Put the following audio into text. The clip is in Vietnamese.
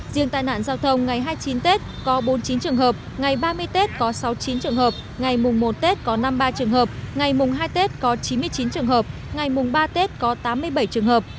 riêng tai nạn giao thông ngày hai mươi chín tết có bốn mươi chín trường hợp ngày ba mươi tết có sáu mươi chín trường hợp ngày mùng một tết có năm mươi ba trường hợp ngày mùng hai tết có chín mươi chín trường hợp ngày mùng ba tết có tám mươi bảy trường hợp